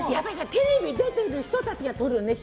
テレビ出てる人たちがとるね。